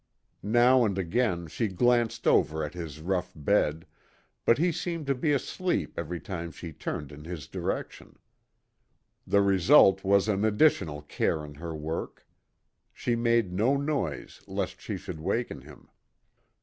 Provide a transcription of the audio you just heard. Now and again she glanced over at his rough bed, but he seemed to be asleep every time she turned in his direction. The result was an additional care in her work. She made no noise lest she should waken him.